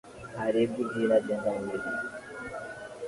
Haribu jina jenga mwili.